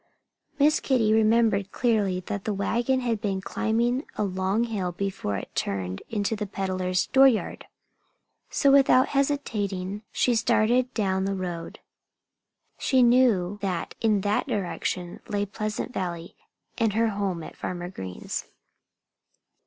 Miss Kitty remembered clearly that the wagon had been climbing a long hill before it turned into the peddler's dooryard. So without hesitating she started down the road. She knew that in that direction lay Pleasant Valley and her home at Farmer Green's.